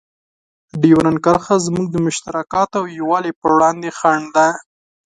ډیورنډ کرښه زموږ د مشترکاتو او یووالي په وړاندې خنډ ده.